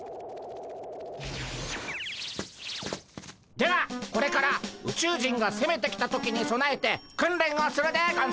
ではこれから宇宙人がせめてきた時にそなえて訓練をするでゴンス。